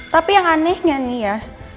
tapi yang anehnya nih ya